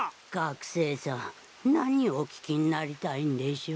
学生さん何をお聞きになりたいんでしょう？